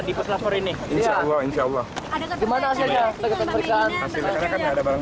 di puslab for ini insyaallah insyaallah ada kemana aslinya segetar segetar ada barang